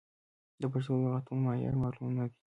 د پښتو د لغتونو معیار معلوم نه دی.